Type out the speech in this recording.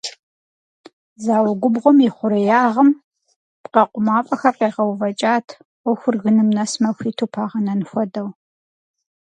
Зауэ губгъуэм и хъуреягъым пкъэкъу мафӏэхэр къегъэувэкӏат, ӏуэхур гыным нэсмэ, хуиту пагъэнэн хуэдэу.